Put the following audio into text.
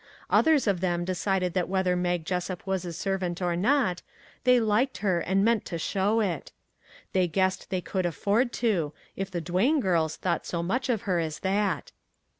Others of them decided that whether Mag Jessup was a servant or not, they liked her, and meant to show it. They guessed they could afford to, if the Duane girls thought so much of her as that.